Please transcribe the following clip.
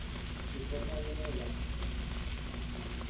Su forma viene de la Ч.